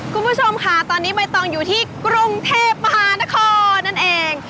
คุณผู้ชมค่ะตอนนี้ใบตองอยู่ที่กรุงเทพมหานครนั่นเอง